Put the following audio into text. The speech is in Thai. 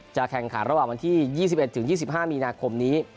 แข่งขันระหว่างวันที่๒๑๒๕มีนาคมนี้